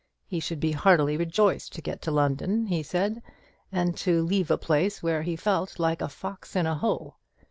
He should be heartily rejoiced to get to London, he said, and to leave a place where he felt like a fox in a hole.